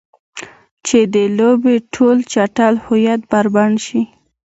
چې د لوبې ټول چټل هویت بربنډ شي.